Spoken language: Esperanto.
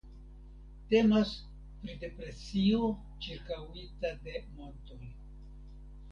Temas pri depresio ĉirkaŭita de montoj.